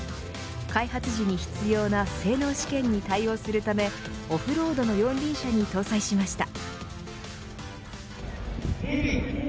開発時に必要な性能試験に対応するためオフロードの四輪車に搭載しました。